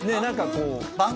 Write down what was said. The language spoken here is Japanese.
何かこう。